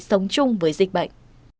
sống chung với dịch bệnh